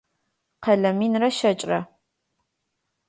Къэлэ минрэ щэкӏрэ.